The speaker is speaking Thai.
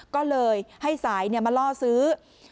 ก็เลยให้สายมาล่อซื้อ